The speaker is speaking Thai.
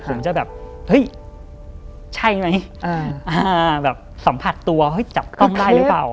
ผมจะแบบเฮ้ยใช่ไหมแบบสัมผัสตัวเฮ้ยจับกล้องได้หรือเปล่า